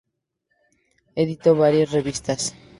Editó varias revistas.